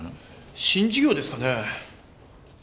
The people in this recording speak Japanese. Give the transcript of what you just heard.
新事業ですかね？